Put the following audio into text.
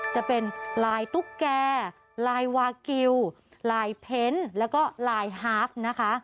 จะเป็นลายตุ๊กแก่ลายวากิวลายเพนต์แล้วก็ลายฮาง